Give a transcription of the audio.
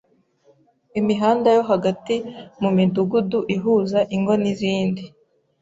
Imihanda yo hagati mu midugudu ihuza ingo n’ izindi